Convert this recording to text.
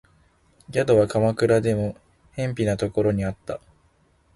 宿は鎌倉でも辺鄙なところにあった